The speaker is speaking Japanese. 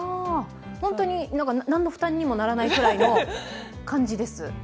本当に何の負担にもならないぐらいの感じです。